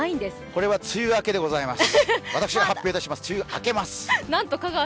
これは梅雨明けでございます。